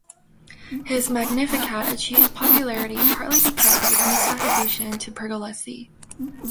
His "Magnificat" achieved popularity partly because of its misattribution to Pergolesi.